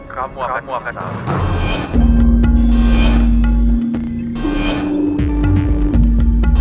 kamu akan bersalah